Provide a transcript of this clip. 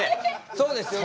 そうですよね？